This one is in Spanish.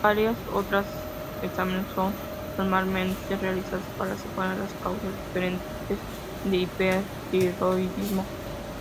Varias otras exámenes son normalmente realizados para separar las causas diferentes de hipertiroidismo.